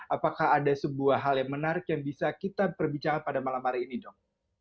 apakah ada sebuah hal yang menarik yang bisa kita perbicara pada malam hari ini dok